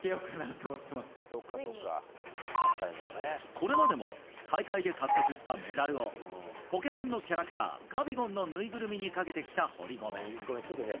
これまでも大会で獲得したメダルを「ポケモン」のキャラクターカビゴンのぬいぐるみにかけてきた堀米。